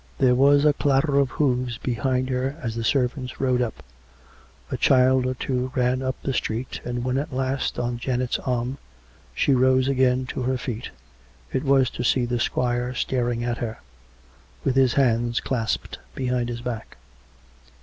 COME RACK' COME ROPE! 207 There was a clatter of hoofs behind her as the servants rode up; a child or two ran up the street, and when, at last, on Janet's arm, she rose again to her feet, it was to see the squire staring at her, with his hands clasped behind his back.